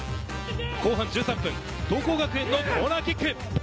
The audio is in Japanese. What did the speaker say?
後半１３分、桐光学園のコーナーキック。